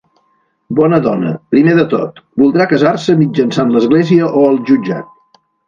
Bona dona, primer de tot, voldrà casar-se mitjançant l'església o el jutjat?